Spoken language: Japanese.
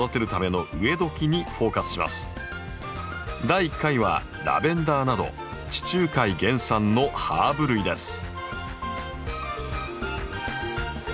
第１回はラベンダーなど地中海原産のハーブ類です。